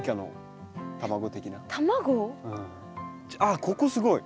あここすごい。